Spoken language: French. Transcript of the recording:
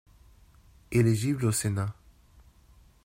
Éligible au Sénat.